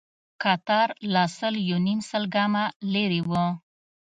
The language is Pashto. کتار لا سل يونيم سل ګامه لرې و.